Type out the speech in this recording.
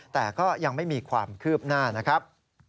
แต่ก็ยังไม่มีความคืบหน้านะครับ